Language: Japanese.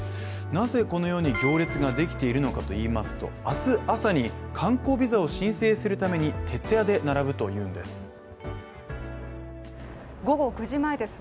なぜこのように行列ができているのかと言いますと、明日朝に観光ビザを申請するために徹夜で並ぶというんです。